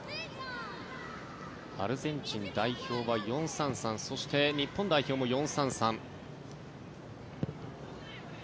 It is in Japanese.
アルゼンチン代表は４−３−３そして、日本代表も４−３−３。